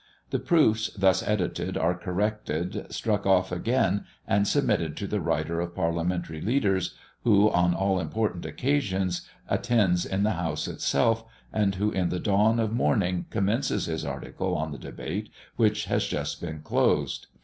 The proofs thus edited are corrected, struck off again and submitted to the writer of Parliamentary leaders, who, on all important occasions, attends in the House itself, and who in the dawn of morning commences his article on the debate which has just been closed.